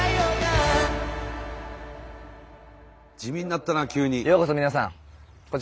地味になったな急に。